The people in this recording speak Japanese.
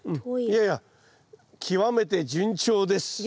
いやいや極めて順調です。